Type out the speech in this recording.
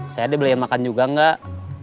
saya dia beli yang makan juga enggak